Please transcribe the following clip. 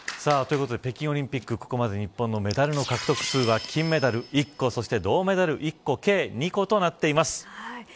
おめでとうございます。ということで、北京オリンピックここまで日本のメダル獲得数は金メダル１個、銅メダル１個の計２個になっています。